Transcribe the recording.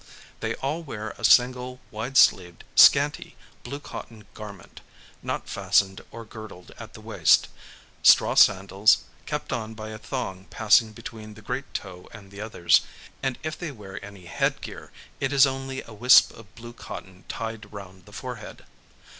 They all wear a single, wide sleeved, scanty, blue cotton garment, not fastened or girdled at the waist, straw sandals, kept on by a thong passing between the great toe and the others, and if they wear any head gear, it is only a wisp of blue cotton tied round the forehead.